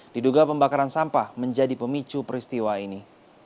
diduga pembakaran sampah menjadi pemicu peristiwa ini